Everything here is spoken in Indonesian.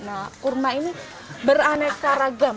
nah kurma ini beraneka ragam